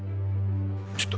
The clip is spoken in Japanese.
ちょっと。